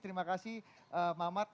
terima kasih mamat